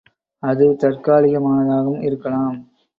அது தற்காலிகமானதாகவும் இருக்கலாம்.